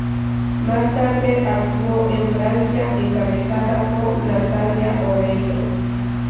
Más tarde actuó en "Francia", encabezada por Natalia Oreiro.